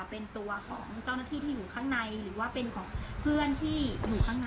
เป็นตัวของเจ้าหน้าที่ที่อยู่ข้างในหรือว่าเป็นของเพื่อนที่อยู่ข้างใน